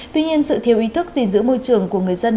tuy nhiên sự thiếu ý thức gìn giữ môi trường của người dân